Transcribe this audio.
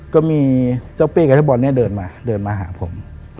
ก็มีเจ้าเป้กับเจ้าบอลเนี่ยเดินมาเดินมาหาผม